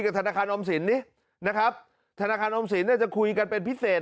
ธนาคารออมสินนี้นะครับธนาคารออมสินเนี่ยจะคุยกันเป็นพิเศษ